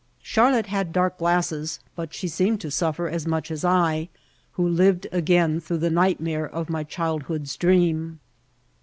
Charlotte had dark glasses, but she seemed to suffer as much as I, who lived again through the nightmare of my childhood's dream.